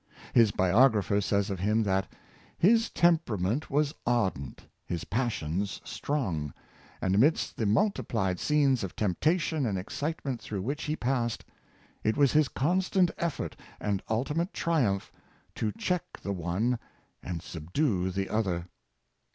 His biographer says of him that " his temperament was ardent, his passions strong, and, amidst the multiplied scenes of temptation and excite ment through which he passed, it was his constant ef fort, and ultimate triumph, to check the one and subdue the other."